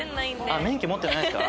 あっ免許持ってないか。